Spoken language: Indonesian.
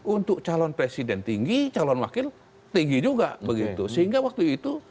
untuk calon presiden tinggi calon wakil tinggi juga begitu sehingga waktu itu